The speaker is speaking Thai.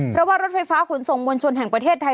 เพราะว่ารถไฟฟ้าขนส่งมวลชนแห่งประเทศไทย